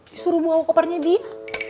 disuruh bawa kopernya dia